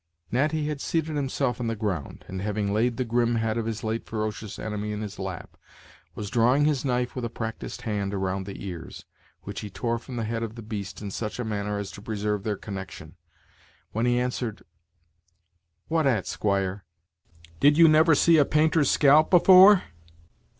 Natty had seated himself on the ground, and having laid the grim head of his late ferocious enemy in his lap, was drawing his knife with a practiced hand around the ears, which he tore from the head of the beast in such a manner as to preserve their connection, when he answered; "What at, squire? did you never see a painter's scalp afore?